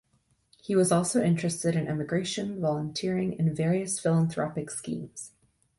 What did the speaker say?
He was also interested in emigration, volunteering, and various philanthropic schemes.